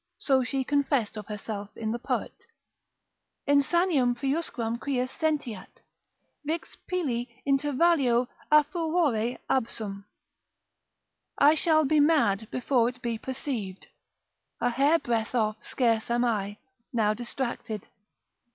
So she confessed of herself in the poet, ———insaniam priusquam quis sentiat, Vix pili intervallo a furore absum. I shall be mad before it be perceived, A hair breadth off scarce am I, now distracted.